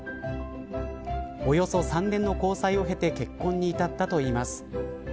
およそ３年の交際を経て結婚に至ったといいます。